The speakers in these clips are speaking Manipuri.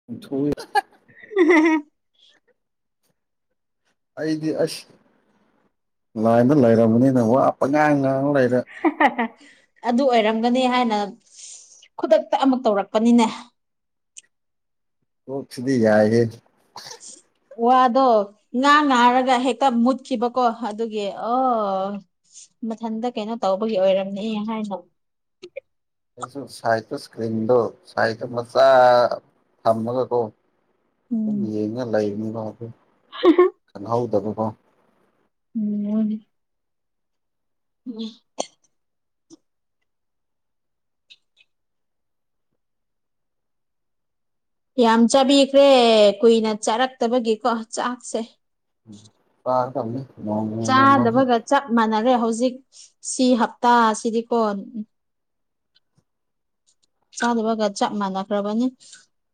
[unintelligible] [unintelligible] ꯑꯩꯗꯤ ꯑꯁ ꯂꯥꯏꯟꯗ ꯂꯩꯔꯕꯅꯤꯅ ꯋꯥ ꯄꯡꯉꯥꯡ ꯉꯥꯡ ꯂꯩꯔꯦ ꯑꯗꯨ ꯑꯣꯏꯔꯝꯒꯅꯤ ꯍꯥꯏꯅ ꯈꯨꯗꯛꯇ ꯑꯃꯨꯛ ꯇꯧꯔꯛꯄꯅꯤꯅꯦ ꯀꯣꯛꯁꯤꯗꯤ ꯌꯥꯢꯌꯦ ꯋꯥꯗꯣ ꯉꯥ ꯉꯥꯔꯒ ꯍꯦꯛꯇ ꯃꯨꯠꯈꯤꯕꯀꯣ ꯑꯗꯨꯒꯤ ꯑꯣ ꯃꯊꯟꯇ ꯀꯩꯅꯣ ꯇꯧꯕꯒꯤ ꯑꯣꯏꯔꯝꯅꯤ ꯍꯥꯏꯅ ꯑꯩꯁꯨ ꯁꯥꯏꯠꯇ ꯏꯁꯀ꯭ꯔꯤꯟꯗꯣ ꯁꯥꯏꯠꯇ ꯃꯆꯥ ꯊꯝꯃꯒꯀꯣ ꯑꯗꯨꯝ ꯎꯝ ꯌꯦꯡꯉ ꯂꯩꯕꯅꯤꯒꯣ ꯑꯗꯨ ꯈꯪꯍꯧꯗꯕꯀꯣ ꯎꯝ [unintelligible] ꯎꯝ ꯌꯥꯝ ꯆꯥꯕꯤꯈ꯭ꯔꯦ ꯀꯨꯏꯅ ꯆꯥꯔꯛꯇꯕꯒꯤꯀꯣ ꯆꯥꯛꯁꯦ ꯀꯥꯔ ꯀꯅꯤ [unintelligible] [unintelligible] ꯆꯥꯗꯕꯒ ꯆꯞ ꯃꯥꯟꯅꯔꯦ ꯍꯧꯖꯤꯛ ꯁꯤ ꯍꯞꯇꯥ ꯑꯁꯤꯗꯤꯀꯣ ꯆꯥꯗꯕꯒ ꯆꯞ ꯃꯥꯟꯅꯈ꯭ꯔꯕꯅꯤ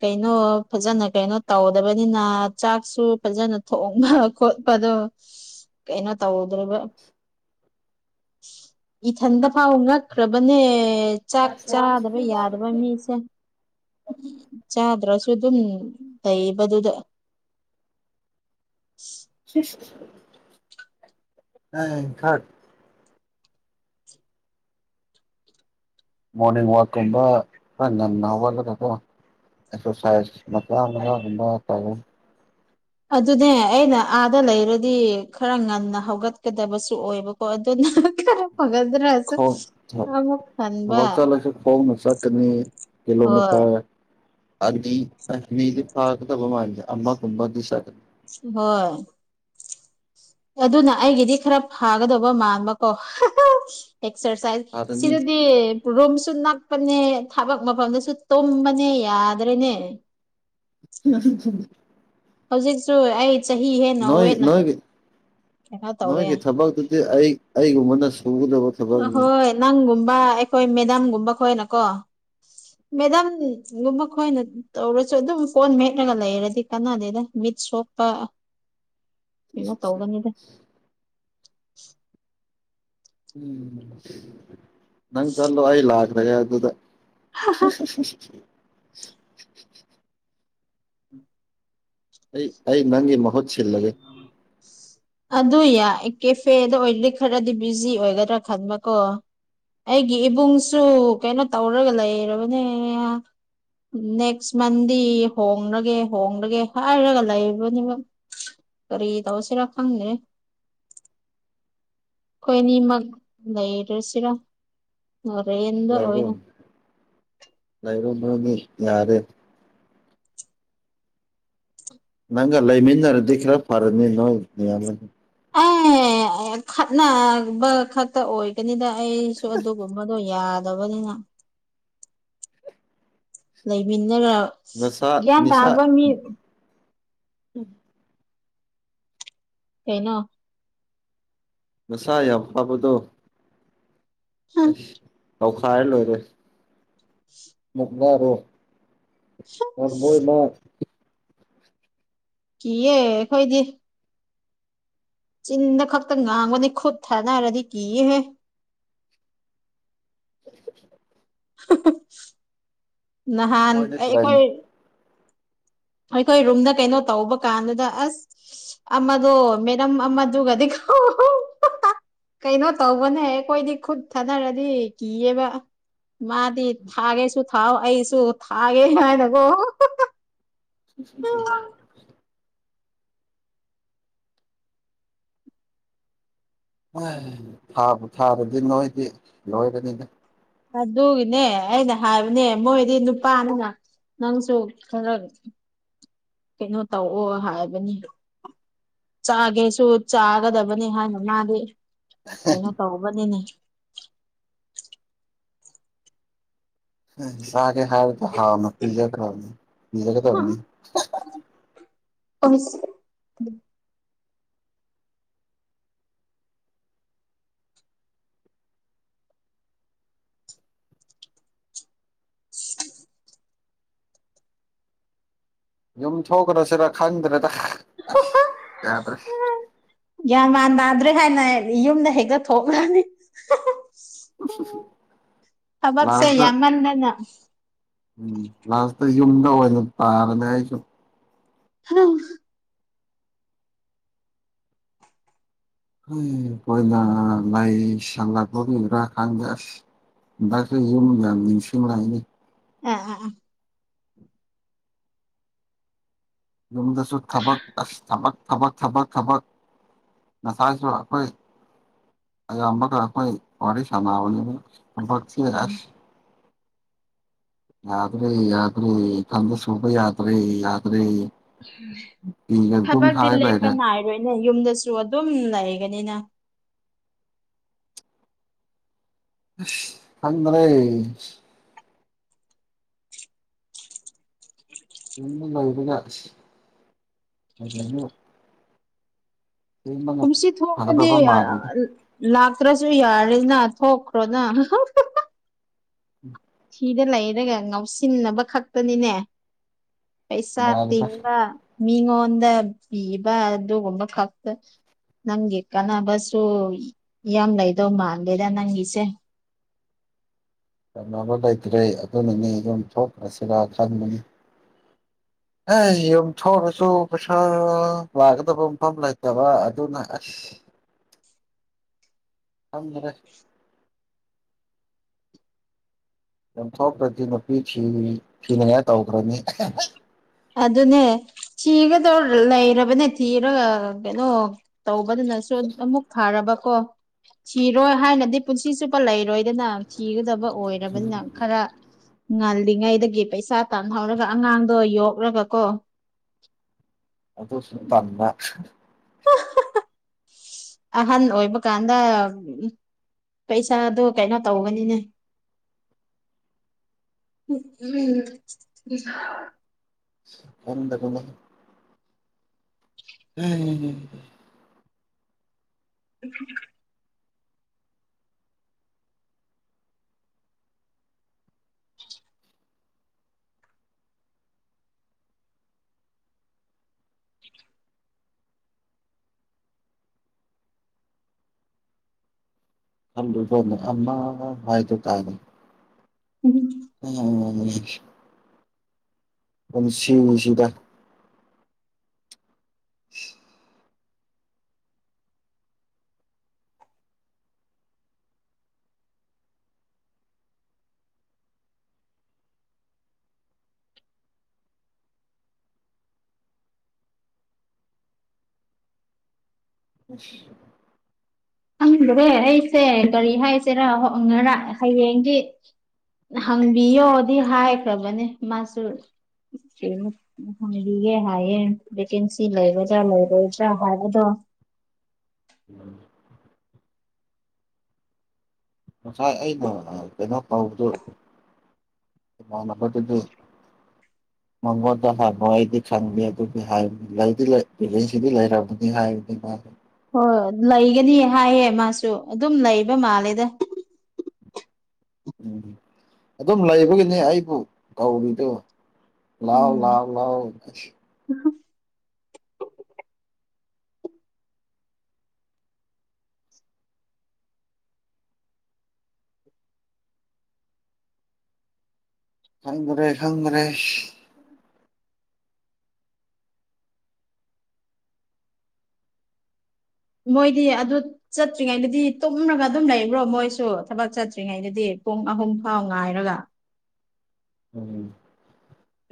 ꯀꯩꯅꯣ ꯐꯖꯅ ꯀꯩꯅꯣ ꯇꯧꯗꯕꯅꯤꯅ ꯆꯥꯛꯁꯨ ꯐꯖꯅ ꯊꯣꯡꯕ ꯈꯣꯠꯄꯗꯣ ꯀꯩꯅꯣ ꯇꯧꯗ꯭ꯔꯤꯕ ꯏꯊꯟꯗ ꯐꯥꯎ ꯉꯛꯈ꯭ꯔꯕꯅꯦ ꯆꯥꯛ ꯆꯥꯗ ꯌꯥꯗꯕ ꯃꯤꯁꯦ ꯆꯥꯗ꯭ꯔꯁꯨ ꯑꯗꯨꯝ ꯂꯩꯕꯗꯨꯗ ꯈꯠ [unintelligible] ꯃꯣꯔꯅꯤꯡ ꯋꯥꯛꯀꯨꯝꯕ ꯈꯔ ꯉꯟꯅ ꯍꯧꯒꯠꯂꯒꯀꯣ ꯑꯦꯛꯁ꯭ꯔꯁꯥꯏꯁ ꯃꯆꯥ ꯃꯉꯥꯒꯨꯝꯕ ꯍꯥꯏꯇꯥꯔꯦ ꯑꯗꯨꯅꯦ ꯑꯩꯅ ꯑꯥꯗ ꯂꯩꯔꯗꯤ ꯈꯔ ꯉꯟꯅ ꯍꯧꯒꯠꯀꯗꯕꯁꯨ ꯑꯣꯏꯕ ꯑꯗꯨ ꯅꯪ [unintelligible] ꯈꯣꯡ ꯈꯟꯕ ꯊꯕꯛ ꯆꯠꯂꯁꯨ ꯈꯣꯡꯅ ꯆꯠꯀꯅꯤ ꯍꯣꯏ ꯀꯤꯂꯣꯃꯤꯇꯥꯔ ꯑꯅꯤ ꯑꯅꯤꯗꯤ ꯐꯥꯒꯗꯕ ꯃꯥꯗꯦ ꯑꯃ ꯀꯨꯝꯕꯗꯤ ꯁꯠ ꯍꯣꯏ ꯑꯗꯨꯅ ꯑꯩꯒꯤꯗꯤ ꯈꯔ ꯐꯥꯒꯗꯕ ꯃꯥꯟꯕ ꯀꯣ ꯑꯦꯛꯁ꯭ꯔꯁꯥꯏꯁ ꯐꯥꯔꯅꯤ ꯁꯤꯗꯗꯤ ꯔꯨꯝꯁꯨ ꯅꯛꯄꯅꯦ ꯊꯕꯛ ꯃꯐꯝꯗꯁꯨ ꯇꯨꯝꯕꯅꯦ ꯌꯥꯗ꯭ꯔꯦꯅꯦ ꯎꯝ [unintelligible] ꯍꯧꯖꯤꯛꯁꯨ ꯑꯩ ꯆꯍꯤ ꯍꯦꯟꯅ ꯅꯣꯏ ꯋꯦꯠꯅ ꯅꯣꯏꯒꯤ ꯀꯩꯅꯣ ꯇꯧꯔꯦ ꯅꯣꯏꯒꯤ ꯊꯕꯛꯇꯨꯗꯤ ꯑꯩ ꯑꯩꯒꯨꯝꯕꯅ ꯁꯨꯒꯗꯕ ꯊꯕꯛꯅꯤ ꯍꯣꯏ ꯅꯪꯒꯨꯝꯕ ꯑꯩꯈꯣꯏ ꯃꯦꯗꯥꯝꯒꯨꯝꯕ ꯈꯣꯏꯅꯀꯣ ꯃꯦꯗꯥꯝꯒꯨꯝꯕ ꯈꯣꯏꯅ ꯇꯧꯔꯁꯨ ꯑꯗꯨꯝ ꯐꯣꯟ ꯃꯦꯠꯂꯒ ꯂꯩꯔꯗꯤ ꯀꯅꯥꯗꯦꯗ ꯃꯤꯠ ꯁꯣꯛꯄ ꯀꯩꯅꯣ ꯇꯧꯒꯅꯤꯗ ꯎꯝ ꯅꯪ ꯆꯠꯂꯣ ꯑꯩ ꯂꯥꯛꯈ꯭ꯔꯥꯒꯦ ꯑꯗꯨꯗ ꯁꯤ [inaudible] ꯑꯩ ꯑꯩ ꯅꯪꯒꯤ ꯃꯍꯨꯠ ꯁꯤꯜꯂꯒꯦ ꯑꯗꯨ ꯌꯥꯏ ꯀꯦꯐꯦꯗ ꯑꯣꯏꯔꯗꯤ ꯈꯔꯗꯤ ꯕꯤꯖꯤ ꯑꯣꯏꯒꯗ꯭ꯔꯥ ꯈꯟꯕꯀꯣ ꯑꯩꯒꯤ ꯏꯕꯨꯡꯁꯨ ꯀꯩꯅꯣ ꯇꯧꯔꯒ ꯂꯩꯔꯕꯅꯦ ꯅꯦꯛꯁ ꯃꯟꯗꯤ ꯍꯣꯡꯂꯒꯦ ꯍꯣꯡꯂꯒꯦ ꯍꯥꯏꯔꯒ ꯂꯩꯕꯅꯦꯕ ꯀꯔꯤ ꯇꯧꯁꯤꯔꯥ ꯈꯪꯗꯦ ꯑꯩꯈꯣꯏ ꯑꯅꯤꯃꯛ ꯂꯩꯔꯁꯤꯔꯥ ꯔꯦꯟꯗ ꯂꯩꯥꯔꯣ ꯑꯣꯏꯅ ꯂꯩꯔꯣ ꯅꯣꯢ ꯑꯅꯤ ꯌꯥꯔꯦ ꯅꯪꯒ ꯂꯩꯃꯤꯟꯅꯔꯗꯤ ꯈꯔ ꯐꯔꯅꯤ ꯅꯣꯏ [unintelligible] ꯑꯦ ꯈꯠꯅꯕ ꯈꯛꯇ ꯑꯣꯏꯒꯅꯤꯗ ꯑꯩꯁꯨ ꯑꯗꯨꯒꯨꯝꯕꯗꯣ ꯌꯥꯗꯕꯅꯤꯅ ꯂꯩꯃꯤꯟꯅꯔ [unintelligible] ꯅꯁꯥ ꯒ꯭ꯌꯥꯟ ꯅꯤꯁꯥ ꯇꯥꯕ ꯃꯤ ꯀꯩꯅꯣ ꯅꯁꯥ ꯌꯥꯝ ꯐꯕꯗꯣ ꯑꯁ ꯇꯧꯈꯥꯏꯔ ꯂꯣꯏꯔꯦ ꯃꯨꯛꯕꯥꯔꯣ ꯑ ꯃꯣꯏ ꯃꯥ ꯀꯤꯌꯦ ꯑꯩꯈꯣꯏꯗꯤ ꯆꯤꯟꯗ ꯈꯛꯇ ꯉꯥꯡꯕꯅꯦ ꯈꯨꯠ ꯊꯥꯅꯔꯗꯤ ꯀꯤꯌꯦꯍꯦ [inaudible] [unintelligible] ꯅꯍꯥꯟ ꯃꯣꯏꯅ ꯇ꯭ꯔꯥꯏ ꯑꯩꯈꯣꯏ ꯑꯩꯈꯣꯏ ꯔꯨꯝꯗ ꯀꯩꯅꯣ ꯇꯧꯕ ꯀꯥꯟꯗꯨꯗ ꯑꯁ [unintelligible] ꯑꯃꯗꯣ ꯃꯦꯗꯝ ꯑꯃꯗꯨꯒꯗꯤ [unintelligible] ꯀꯩꯅꯣ ꯇꯧꯕꯅꯦ ꯑꯩꯈꯣꯏꯗꯤ ꯈꯨꯠ ꯊꯥꯅꯔꯗꯤ ꯀꯤꯌꯦꯕ ꯃꯥꯗꯤ ꯊꯥꯒꯦꯁꯨ ꯊꯥꯎ ꯑꯩꯁꯨ ꯊꯥꯒꯦ ꯍꯥꯏꯅꯀꯣ [unintelligible] [inaudible] [unintelligible] ꯊꯥꯕꯨ ꯊꯥꯔꯗꯤ ꯅꯣꯏꯗꯤ ꯂꯣꯏꯔꯅꯤꯍꯦ ꯑꯗꯨꯒꯤꯅꯦ ꯑꯩꯅ ꯍꯥꯏꯕꯅꯦ ꯃꯣꯏꯗꯤ ꯅꯨꯄꯥꯅꯤꯅ ꯅꯪꯁꯨ ꯈꯔ ꯀꯩꯅꯣ ꯇꯧꯑꯣ ꯍꯥꯏꯕꯅꯤ ꯆꯥꯒꯦꯁꯨ ꯆꯥꯒꯗꯕꯅꯤ ꯍꯥꯏꯅ ꯃꯥꯗꯤ ꯀꯩꯅꯣ ꯇꯧꯕꯅꯤꯅꯦ ꯆꯥꯒꯦ ꯍꯥꯏꯔꯕꯨ ꯍꯥꯎꯅ ꯄꯤꯖꯈ꯭ꯔꯣꯅꯦ ꯄꯤꯖꯒꯗꯕꯅꯤ [inaudible] [inaudible] ꯌꯨꯝ ꯊꯣꯛꯈ꯭ꯔꯁꯤꯔ ꯈꯪꯗ꯭ꯔꯦꯗ ꯑꯁ ꯌꯥꯗ꯭ꯔꯦ ꯒ꯭ꯌꯥꯟ ꯃꯥꯟ ꯇꯥꯗ꯭ꯔꯦ ꯍꯥꯏꯅ ꯌꯨꯝꯗ ꯍꯦꯛꯇ ꯊꯣꯛꯂꯗꯤ [unintelligible] [unintelligible] ꯊꯕꯛꯁꯦ ꯂꯥꯁꯇ ꯌꯥꯝꯃꯟꯗꯅ ꯎꯝ ꯂꯥꯁꯇ ꯌꯨꯝꯗ ꯑꯣꯏꯅ ꯇꯥꯔꯅꯦ ꯑꯩꯁꯨ ꯍꯨꯝ [unintelligible] ꯃꯣꯏꯅ ꯂꯩꯥꯏꯁꯜꯂꯛꯄꯒꯤꯔꯥ ꯈꯪꯗꯦ ꯑꯁ [unintelligible] ꯌꯨꯝ ꯌꯥꯝ ꯅꯤꯡꯁꯤꯡꯂꯛꯏ [unintelligible] ꯌꯨꯝꯗꯁꯨ ꯊꯕꯛ ꯑꯁ ꯊꯕꯛ ꯊꯕꯛ ꯊꯕꯛ ꯊꯕꯛ ꯉꯁꯥꯏꯁꯨ ꯑꯩꯈꯣꯏ ꯑꯌꯥꯝꯕꯅ ꯑꯩꯈꯣꯏ ꯋꯥꯔꯤ ꯁꯥꯟꯅꯕꯅꯤꯅ ꯊꯕꯛꯁꯦ ꯑꯁ ꯌꯥꯗ꯭ꯔꯦ ꯌꯥꯗ꯭ꯔꯦ [unintelligible] ꯁꯨꯕ ꯌꯥꯗ꯭ꯔꯦ ꯌꯥꯗ꯭ꯔꯦ [unintelligible] ꯐꯤꯒ ꯑꯗꯨꯝ ꯊꯕꯛꯗꯤ ꯍꯥꯏ ꯂꯦꯞꯄ ꯂꯩꯔꯦ ꯅꯥꯏꯔꯣꯏꯅꯦ ꯌꯨꯝꯗꯁꯨ ꯑꯗꯨꯝ ꯂꯩꯒꯅꯤꯅ ꯑꯁ ꯊꯗꯔꯦ ꯌꯨꯝꯕꯨ ꯌꯧꯗꯨꯅ [unintelligible] ꯀꯨꯝꯁꯤ ꯊꯣꯡꯂꯗꯤ ꯐꯒꯗꯕ ꯃꯥꯜꯂꯤꯗ ꯂꯥꯛꯇ꯭ꯔꯁꯨ ꯌꯥꯔꯦꯅ ꯊꯣꯛꯈ꯭ꯔꯣꯅ [inaudible] ꯊꯤꯗ ꯂꯩꯔꯒ ꯉꯥꯎꯁꯤꯟꯅꯕ ꯈꯛꯇꯅꯤꯅꯦ ꯄꯩꯁꯥ ꯌꯥꯔꯦꯗ ꯇꯤꯟꯕ ꯃꯤꯉꯣꯟꯗ ꯄꯤꯕ ꯑꯗꯨꯒꯨꯝꯕ ꯈꯛꯇ ꯅꯪꯒꯤ ꯀꯥꯟꯅꯕꯁꯨ ꯌꯥꯝ ꯂꯩꯗꯧ ꯃꯥꯜꯂꯦꯗ ꯅꯪꯒꯤꯁꯦ ꯆꯥꯟꯅꯕ ꯂꯩꯇ꯭ꯔꯦ ꯑꯗꯨꯅꯅꯤ ꯑꯗꯨꯝ ꯊꯣꯛꯈ꯭ꯔꯁꯤꯔꯥ ꯈꯟꯕꯅꯤ ꯑꯦ ꯌꯨꯝ ꯊꯣꯛꯔꯁꯨ ꯄꯩꯁꯥ ꯂꯥꯛꯀꯗꯕ ꯃꯐꯝ ꯂꯩꯇꯕ ꯑꯗꯨꯅ ꯑꯁ ꯈꯪꯗꯦꯍꯦ ꯌꯨꯝꯊꯣꯛꯈ꯭ꯔꯗꯤ ꯅꯨꯄꯤ ꯊꯤ ꯊꯤꯅꯤꯡꯉꯥꯏ ꯇꯧꯈ꯭ꯔꯅꯤ ꯑꯗꯨꯅꯦ ꯊꯤꯒꯗꯧ ꯂꯩꯔꯕꯅꯦ ꯊꯤꯔꯒ ꯀꯩꯅꯣ ꯇꯧꯕꯗꯨꯅ [unintelligible] ꯑꯃꯨꯛ ꯐꯔꯕꯀꯣ ꯊꯤꯔꯣꯏ ꯍꯥꯏꯅꯗꯤ ꯄꯨꯟꯁꯤ ꯆꯨꯞꯄ ꯂꯩꯔꯣꯏꯗꯅ ꯊꯤꯒꯗꯕ ꯑꯣꯏꯔꯕꯅꯤꯅ ꯈꯔ ꯉꯜꯂꯤꯉꯩꯗꯒꯤ ꯄꯩꯁꯥ ꯇꯥꯟꯍꯧꯔꯒ ꯑꯉꯥꯡꯗꯣ ꯌꯣꯛ ꯌꯣꯛꯔꯒꯀꯣ ꯑꯗꯨꯁꯨꯨ ꯄꯥꯝꯕ ꯑꯍꯟ ꯑꯣꯏꯕ ꯀꯥꯟꯗ ꯄꯩꯁꯥꯗꯣ ꯀꯩꯅꯣ ꯇꯧꯒꯅꯤꯅꯦ ꯎꯝ [inaudible] ꯀꯣꯟꯗ ꯀꯣ [unintelligible] ꯎꯝ ꯎꯝ [inaudible] ꯈꯜꯂꯨꯕꯅ ꯑꯃ ꯍꯥꯏꯗꯨ ꯇꯥꯔꯦꯅꯦ ꯎꯝ [inaudible] ꯎꯝ ꯄꯨꯟꯁꯤꯁꯤꯗ ꯎ [inaudible] ꯍꯪꯗꯔꯦ ꯑꯩꯁꯦ ꯀꯔꯤ ꯍꯥꯏꯁꯤꯔꯥ ꯍꯣ ꯉꯔꯥꯡ ꯍꯌꯦꯡꯗꯤ ꯍꯪꯕꯤꯌꯣꯗꯤ ꯍꯥꯏꯈ꯭ꯔꯕꯅꯦ ꯃꯥꯁꯨ ꯀꯩꯅꯣ ꯍꯪꯕꯤꯒꯦ ꯍꯥꯏꯌꯦ ꯚꯦꯀꯦꯟꯁꯤ ꯂꯩꯒꯗ꯭ꯔꯥ ꯂꯩꯔꯣꯏꯗ꯭ꯔꯥ ꯍꯥꯏꯕꯗꯣ ꯎꯝ ꯉꯁꯥꯏ ꯑꯩꯅ ꯀꯩꯅꯣ ꯇꯧꯕꯗꯨ ꯅꯝꯕ꯭ꯔꯗꯨꯗꯤ [inaudible] ꯃꯉꯣꯟꯗ ꯍꯪꯉꯣ ꯑꯩꯗꯤ ꯈꯪꯗꯦ ꯑꯗꯨꯗꯤ ꯍꯥꯏꯕꯅꯦ ꯂꯩꯗꯤ ꯂꯩ ꯕꯦꯒꯦꯟꯁꯤꯗꯤ ꯂꯩꯔꯝꯃꯅꯤ ꯍꯥꯏꯕꯅꯤ ꯃꯥꯗꯣ ꯍꯣꯏ ꯂꯩꯒꯅꯤ ꯍꯥꯏꯌꯦ ꯃꯥꯁꯨ ꯑꯗꯨꯝ ꯂꯩꯕ ꯃꯥꯜꯂꯦꯗ ꯎꯝ ꯑꯗꯨꯝ ꯂꯩꯕꯒꯤꯅꯤ ꯑꯩꯕꯨ ꯀꯧꯔꯤꯗꯣ ꯂꯥꯎꯑꯣ ꯎꯝ ꯂꯥꯎꯑꯣ ꯂꯥꯎ ꯈꯪꯗ꯭ꯔꯦ ꯈꯪꯗ꯭ꯔꯦ ꯃꯣꯏꯗꯤ ꯑꯗꯨ ꯆꯠꯇ꯭ꯔꯤꯉꯩꯗꯗꯤ ꯇꯨꯝꯂꯒ ꯑꯗꯨꯝ ꯂꯩꯕ꯭ꯔꯣ ꯃꯣꯏꯁꯨ ꯊꯕꯛ ꯆꯠꯇ꯭ꯔꯤꯉꯩꯗꯗꯤ ꯄꯨꯡ ꯑꯍꯨꯝ ꯐꯥꯎ ꯉꯥꯏꯔꯒ ꯎꯝ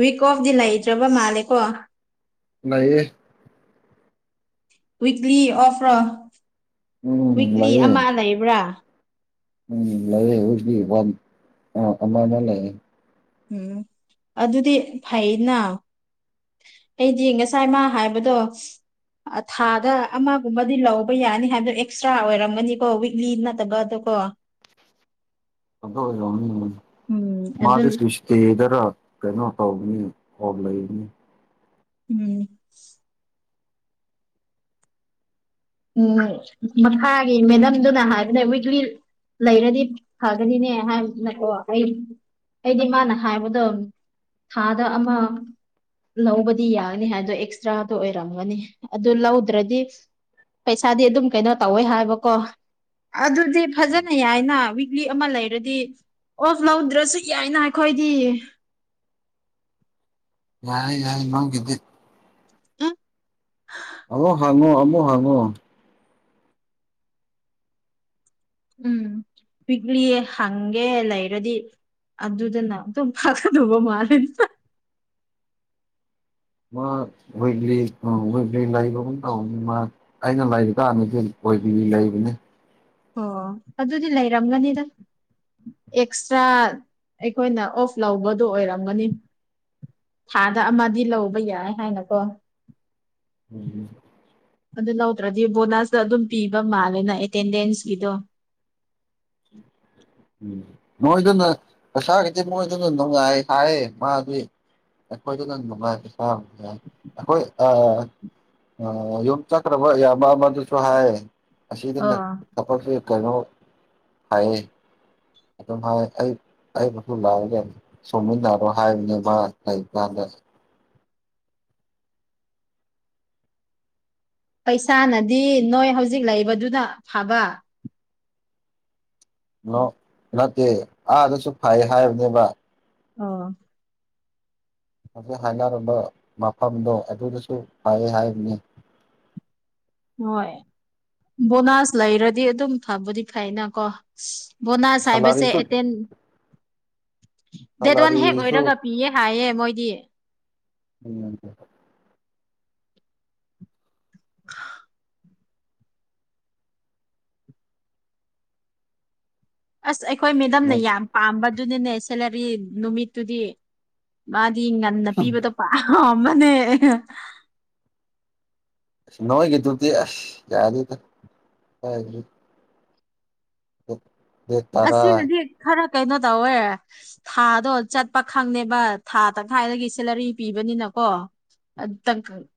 ꯋꯤꯛ ꯑꯣꯐ ꯗꯤ ꯂꯩꯇ꯭ꯔꯕ ꯃꯥꯂꯤꯀꯣ ꯂꯩꯌꯦ ꯋꯤꯛꯂꯤ ꯑꯣꯐꯔꯣ ꯎꯝ ꯋꯤꯛꯂꯤ ꯂꯩꯌꯦ ꯑꯃ ꯂꯩꯕ꯭ꯔꯥ ꯎꯝ ꯂꯩꯌꯦ ꯋꯤꯛꯂꯤ ꯋꯥꯟ [unintelligible] ꯑꯃꯗ ꯂꯩꯌꯦ ꯎꯝ ꯑꯗꯨꯗꯤ ꯐꯩꯅ ꯑꯩꯗꯤ ꯉꯁꯥꯏ ꯃꯥ ꯍꯥꯏꯕꯗꯣ ꯊꯥꯗ ꯑꯃꯒꯨꯝꯕꯗꯤ ꯂꯧꯕ ꯌꯥꯅꯤ ꯍꯥꯏꯕꯗꯣ ꯑꯦꯛꯁꯇ꯭ꯔꯥ ꯑꯣꯏꯔꯝꯒꯅꯤꯀꯣ ꯋꯤꯛꯂꯤ ꯅꯠ ꯇꯕꯗꯨꯒꯣ ꯑꯗꯨ ꯑꯣꯢꯔꯝꯒꯅꯤ ꯎꯝ ꯑꯗꯨ ꯃꯥꯗꯨ [unintelligible] ꯇꯦꯗꯔ ꯀꯩꯅꯣ ꯇꯧꯕꯅꯤ ꯑꯣꯞ ꯂꯩꯕꯅꯤ ꯎꯝ ꯎꯝ ꯃꯈꯥꯒꯤ ꯃꯦꯗꯝꯗꯨꯅ ꯍꯥꯏꯕꯅꯦ ꯋꯤꯛꯂꯤ ꯂꯩꯔꯗꯤ ꯐꯒꯅꯤꯅꯦ ꯍꯥꯏꯕꯅꯀꯣ ꯑꯩ ꯑꯩꯗꯤ ꯃꯥꯅ ꯍꯥꯏꯕꯗꯣ ꯊꯥꯗ ꯑꯃ ꯂꯧꯕꯗꯤ ꯌꯥꯅꯤ ꯍꯥꯏꯗꯣ ꯑꯦꯛꯁꯇ꯭ꯔꯥꯗ ꯑꯣꯏꯔꯝꯒꯅꯤ ꯑꯗꯨ ꯂꯧꯗ꯭ꯔꯗꯤ ꯄꯩꯁꯥꯗꯤ ꯑꯗꯨꯝ ꯀꯩꯅꯣ ꯇꯧꯋꯦ ꯍꯥꯏꯕꯀꯣ ꯑꯗꯨꯗꯤ ꯐꯖꯅ ꯌꯥꯏꯅ ꯋꯤꯛꯂꯤ ꯑꯃ ꯂꯩꯔꯗꯤ ꯑꯣꯐ ꯂꯧꯗ꯭ꯔꯁꯨ ꯌꯥꯏꯅ ꯑꯩꯈꯣꯏꯗꯤ ꯌꯥꯏ ꯌꯥꯏ ꯅꯪꯒꯤꯗꯤ ꯎꯝ ꯑꯃꯨꯛ ꯍꯪꯉꯣ ꯑꯃꯨꯛ ꯍꯪꯉꯣ ꯎꯝ ꯄꯤꯛꯂꯤꯌꯦ ꯍꯪꯒꯦ ꯂꯩꯔꯗꯤ ꯑꯗꯨꯗꯅ ꯑꯗꯨꯝ ꯐꯥꯒꯗꯧꯕ ꯃꯥꯜꯂꯤ ꯃꯥ ꯋꯤꯛꯂꯤ ꯑꯥ ꯋꯤꯛꯂꯤ ꯂꯩꯕꯒꯨꯝ ꯑꯧ ꯃ ꯑꯩꯅ ꯂꯩꯕ ꯀꯥꯟꯗꯗꯤ [unintelligible] ꯂꯩꯕꯅꯦ ꯑꯣ ꯑꯗꯨꯗꯤ ꯂꯩꯔꯝꯒꯅꯤꯗ ꯑꯦꯛꯁꯇ꯭ꯔꯥ ꯑꯩꯈꯣꯏꯅ ꯑꯣꯐ ꯂꯧꯕꯗꯣ ꯑꯣꯏꯔꯝꯒꯅꯤ ꯊꯥꯗ ꯑꯃꯗꯤ ꯂꯧꯕ ꯌꯥꯏ ꯍꯥꯏꯅꯀꯣ ꯎꯝ ꯑꯗꯨ ꯂꯧꯗ꯭ꯔꯗꯤ ꯕꯣꯅꯁꯇ ꯑꯗꯨꯝ ꯄꯤꯕ ꯃꯥꯜꯂꯦꯅ ꯑꯦꯇꯦꯟꯗꯦꯟꯁꯀꯤꯗꯣ [inaudible] ꯎꯝ ꯃꯣꯏꯗꯨꯅ ꯄꯩꯁꯥꯒꯤꯗꯤ ꯃꯣꯏꯗꯨꯅ ꯅꯨꯡꯉꯥꯏ ꯍꯥꯏ ꯃꯥꯗꯤ ꯑꯩꯈꯣꯏꯗꯨꯅ ꯅꯨꯡꯉꯥꯏ [unintelligible] ꯑꯩꯈꯣꯏ ꯑꯥ ꯌꯨꯝ ꯆꯠꯒꯗꯕ ꯢꯌꯥꯝꯕ ꯑꯃꯗꯨꯁꯨ ꯍꯥꯏ ꯑꯁꯤꯗꯅ ꯑꯣ [unintelligible] [unintelligible] ꯀ ꯀꯩꯅꯣ ꯍꯥꯏꯌꯦ ꯑꯗꯨꯝ ꯍꯥꯏ ꯑꯩ ꯑꯩꯕꯨꯁꯨ ꯂꯥꯎꯒꯦ ꯁꯣꯃꯤꯟꯅꯔꯣ ꯍꯥꯏꯕꯅꯦꯕ ꯃꯥ ꯂꯩꯒꯥꯟꯗ ꯄꯩꯁꯥꯅꯗꯤ ꯅꯣꯏ ꯍꯧꯖꯤꯛ ꯂꯩꯕꯗꯨꯅ ꯐꯕ ꯅꯠꯇꯦ ꯑꯥꯗꯁꯨ ꯐꯩ ꯍꯥꯏꯕꯅꯦꯕ ꯑꯣ ꯍꯥꯢꯐꯦꯠ ꯍꯥꯏꯅꯔꯝꯕ ꯃꯐꯝꯗꯣ ꯑꯗꯨꯗꯁꯨ ꯐꯩꯌꯦ ꯍꯥꯏꯕꯅꯤ ꯍꯣꯏ ꯕꯣꯅꯥꯁ ꯂꯩꯔꯗꯤ ꯑꯗꯨꯝ ꯐꯕꯨꯗꯤ ꯐꯩꯅ ꯀꯣ ꯕꯣꯅꯥꯁ ꯍꯥꯏꯕꯁꯦ ꯁꯂꯥꯔꯤꯁꯨ ꯑꯦꯇꯦꯟ ꯗꯦꯠ ꯋꯥꯟ ꯍꯦꯛ ꯁꯂꯥꯔꯤꯁꯨ ꯑꯣꯏꯔꯒ ꯄꯤꯌꯦ ꯍꯥꯏꯌꯦ ꯃꯣꯏꯗꯤ ꯎꯝ [inaudible] ꯑꯁ ꯑꯩꯈꯣꯏ ꯃꯦꯗꯝꯅ ꯌꯥꯝ ꯄꯥꯝꯕꯗꯨꯅꯅꯦ ꯁꯦꯂꯔꯤ ꯅꯨꯃꯤꯠꯇꯨꯗꯤ ꯃꯥꯗꯤ ꯉꯟꯅ ꯄꯤꯕꯗꯣ ꯄꯥꯝꯕꯅꯦ ꯑꯁ ꯅꯣꯏꯒꯤꯗꯨꯗꯤ ꯑꯁ ꯌꯥꯗꯦꯗ ꯀꯥꯢꯗꯒꯤ ꯗꯦꯠ ꯇꯔꯥ ꯑꯁꯤꯅꯗꯤ ꯈꯔ ꯀꯩꯅꯣ ꯇꯧꯋꯦ ꯊꯥꯗꯣ ꯆꯠꯄ ꯈꯪꯗꯦꯕ ꯊꯥ ꯇꯪꯈꯥꯏꯗꯒꯤ ꯁꯦꯂꯔꯤ ꯄꯤꯕꯅꯤꯅꯀꯣ ꯑꯗꯨ ꯇꯪ ꯀ [unintelligible]